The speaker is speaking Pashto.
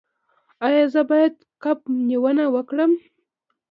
ایا زه باید کب نیونه وکړم؟